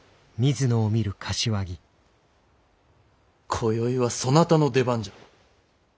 今宵はそなたの出番じゃ。